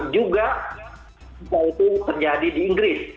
juga itu terjadi di inggris